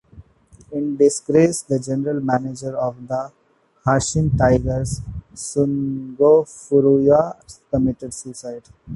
In disgrace, the general manager of the Hanshin Tigers, Shingo Furuya, committed suicide.